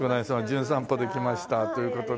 『じゅん散歩』で来ましたという事でね。